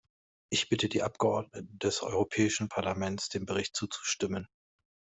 Ich bitte die Abgeordneten des Europäischen Parlaments, dem Bericht zuzustimmen.